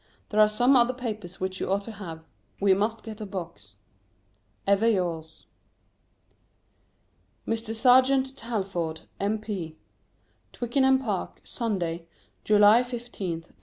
There are some other papers which you ought to have. We must get a box. Ever yours. [Sidenote: Mr. Serjeant Talfourd, M.P.] TWICKENHAM PARK, _Sunday, July 15th, 1838.